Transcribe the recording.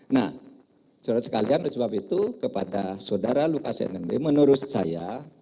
nah surat sekalian oleh sebab itu kepada saudara lukas nmb menurut saya